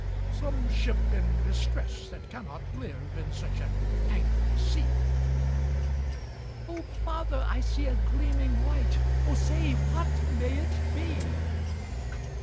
"Some ship in distress, that cannot live In such an angry sea!" "O father! I see a gleaming light, O say, what may it be?"